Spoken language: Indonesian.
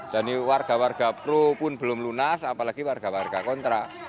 dan warga warga pro pun belum lunas apalagi warga warga kontra